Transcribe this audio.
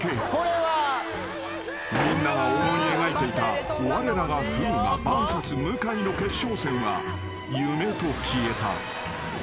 ［みんなが思い描いていたわれらが風磨ＶＳ向井の決勝戦は夢と消えた］